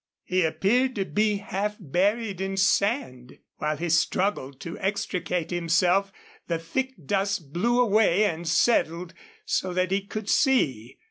He appeared to be half buried in sand. While he struggled to extricate himself the thick dust blew away and settled so that he could see.